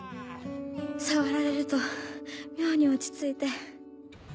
触られると妙に落ち着いて。